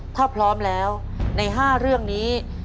ถ้าพร้อมแล้วใน๕เรื่องนี้